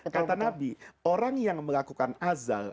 kata nabi orang yang melakukan azal